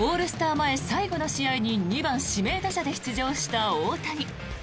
前最後の試合に２番指名打者で出場した大谷。